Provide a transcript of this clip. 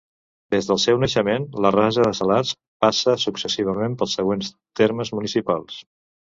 Des del seu naixement, la Rasa de Salats passa successivament pels següents termes municipals.